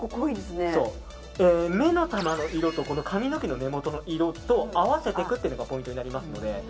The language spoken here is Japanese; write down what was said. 目の玉の色と髪の毛の根本の色と合わせていくというのがポイントになりますので。